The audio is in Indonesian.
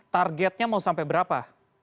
targetnya mau sampai berapa